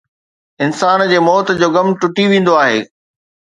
انسان جي موت جو غم ٽٽي ويندو آهي